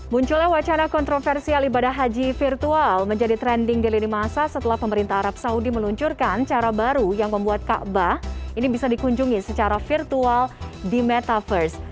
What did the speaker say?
munculnya wacana kontroversial ibadah haji virtual menjadi trending di lini masa setelah pemerintah arab saudi meluncurkan cara baru yang membuat ⁇ kabah ⁇ ini bisa dikunjungi secara virtual di metaverse